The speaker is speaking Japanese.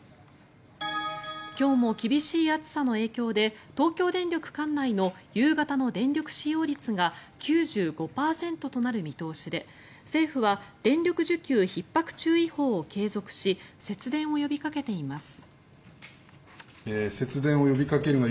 今日も厳しい暑さの影響で東京電力管内の夕方の電力使用率が９５％となる見通しで政府は電力需給ひっ迫注意報を継続し節電を呼びかけています。